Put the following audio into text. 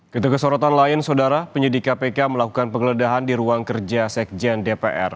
kita ke sorotan lain saudara penyidik kpk melakukan penggeledahan di ruang kerja sekjen dpr